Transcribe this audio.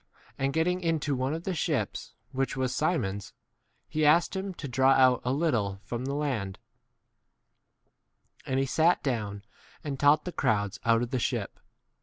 And getting into one of the ships, which was Si mon's, he asked him to draw out a little from the land ; and he sat down and taught the crowds out 4 of the ship.